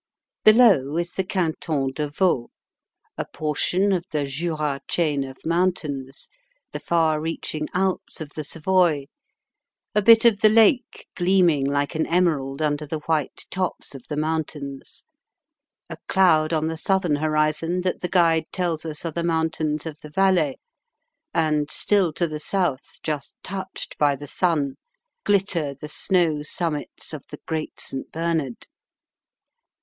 Below is the Canton de Vaud, a portion of the Jura chain of mountains, the far reaching Alps of the Savoy, a bit of the lake gleaming like an emerald under the white tops of the mountains, a cloud on the southern horizon that the guide tells us are the mountains of the Valais, and, still to the south just touched by the sun, glitter the snow summits of the Great St. Bernard.